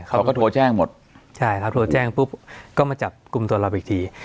เขาก็โทรแจ้งหมดใช่ครับโทรแจ้งปุ๊บก็มาจับกลุ่มตัวเราอีกที